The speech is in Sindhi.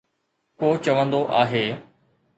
ڪو چوندو آهي